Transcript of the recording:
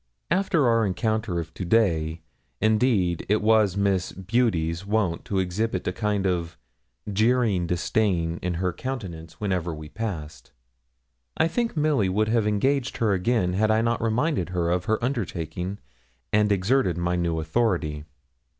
After our encounter of to day, indeed, it was Miss 'Beauty's' wont to exhibit a kind of jeering disdain in her countenance whenever we passed. I think Milly would have engaged her again, had I not reminded her of her undertaking, and exerted my new authority.